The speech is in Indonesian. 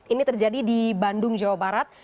ini terjadi di bandung jawa barat